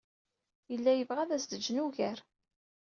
Yella yebɣa ad as-d-jjen ugar.